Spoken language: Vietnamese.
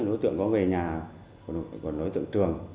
đối tượng có về nhà còn đối tượng trường